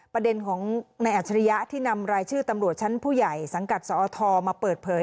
ประเด็นของนายอัจฉริยะที่นำรายชื่อตำรวจชั้นผู้ใหญ่สังกัดสอทมาเปิดเผย